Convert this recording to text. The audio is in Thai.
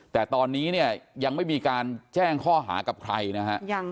แต่ตอนนี้เนี่ยยังไม่มีการแจ้งข้อหากับใครนะฮะ